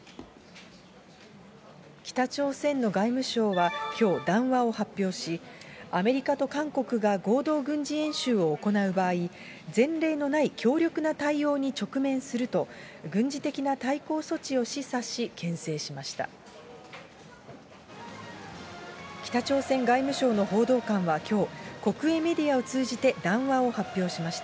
北朝鮮の外務省はきょう、談話を発表し、アメリカと韓国が合同軍事演習を行う場合、前例のない強力な対応に直面すると、軍事的な対抗措置を示唆し、けん制しました。